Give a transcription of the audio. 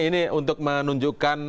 ini untuk menunjukkan